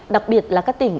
đặc biệt là các tỉnh